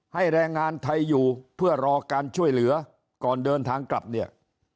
แรงงานไทยอยู่เพื่อรอการช่วยเหลือก่อนเดินทางกลับเนี่ย